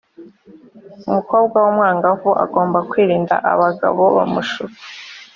umukobwa wumwangavu agomba kwirinda abagabo bamushuka.